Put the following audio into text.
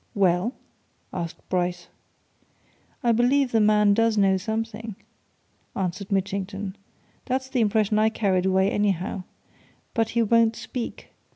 "Well?" asked Bryce. "I believe the man does know something," answered Mitchington. "That's the impression I carried away, anyhow. But he won't speak.